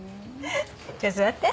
じゃあ座って。